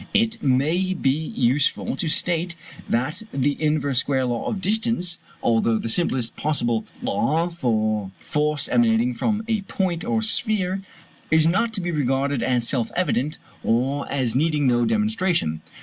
But it may be useful to state that the inverse square law of distance, although the simplest possible law for force emanating from a point or sphere, is not to be regarded as self evident or as needing no demonstration.